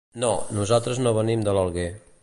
No, nosaltres no venim de l'Alguer.